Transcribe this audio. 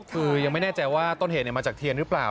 คือยังไม่แน่ใจว่าต้นเหตุมาจากเทียนหรือเปล่า